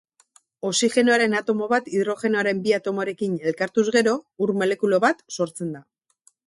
Oxigenoaren atomo bat hidrogenoaren bi atomorekin elkartuz gero, ur molekula bat sortzen da.